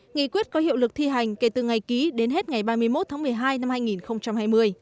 nghị quyết có hiệu lực thi hành kể từ ngày ký đến hết ngày ba mươi một tháng một mươi hai năm hai nghìn hai mươi